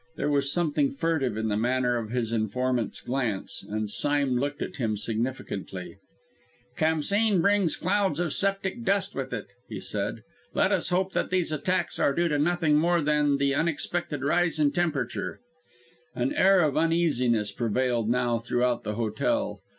There was something furtive in the manner of his informant's glance, and Sime looked at him significantly. "Khamsîn brings clouds of septic dust with it," he said. "Let us hope that these attacks are due to nothing more than the unexpected rise in the temperature." An air of uneasiness prevailed now throughout the hotel.